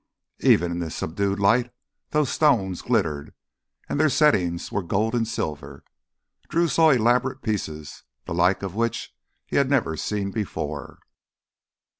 Even in this subdued light those stones glittered, and their settings were gold and silver. Drew saw elaborate pieces, the like of which he had never seen before.